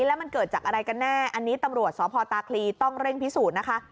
แล้วมันเกิดจากอะไรกันแน่อันนี้ตำรวจสพตาคลีต้องเร่งพิสูจน์นะคะ